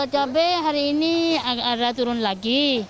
cabai hari ini ada turun lagi